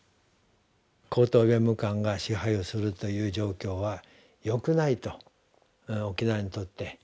高等弁務官が支配をするという状況はよくないと沖縄にとって。